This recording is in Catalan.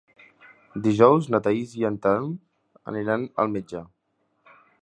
Dijous na Thaís i en Telm aniran al metge.